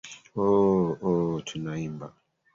Ooooo ooh tunaimba